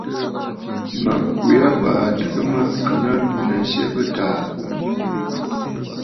Mə̀ kwe aa fàa adɨgə mə à nɨ abwenənsyɛ bɨ̂taà aà.